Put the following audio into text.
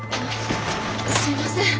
すいません